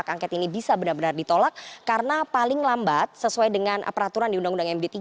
angket ini bisa benar benar ditolak karena paling lambat sesuai dengan peraturan di undang undang md tiga